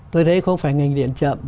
tôi thấy không phải ngành điện chậm